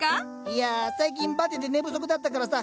いや最近バテて寝不足だったからさ